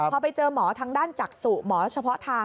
พอไปเจอหมอทางด้านจักษุหมอเฉพาะทาง